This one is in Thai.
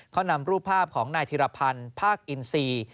เขานำรูปภาพของนายธิรพันธ์ภาคอินซี